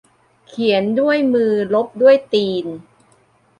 เขียนด้วยมือลบด้วยตีน